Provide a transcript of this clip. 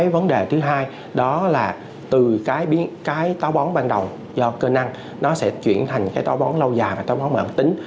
vấn đề thứ hai đó là từ cái tàu bón ban đầu do cơ năng nó sẽ chuyển thành tàu bón lâu dài và tàu bón mạng tính